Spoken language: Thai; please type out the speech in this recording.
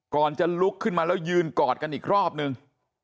จะลุกขึ้นมาแล้วยืนกอดกันอีกรอบนึง